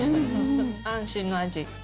安心の味。